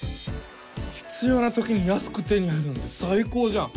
必要なときに安く手に入るなんて最高じゃん！